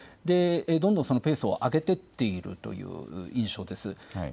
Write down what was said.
どんどんそのペースを上げていっているという印象です。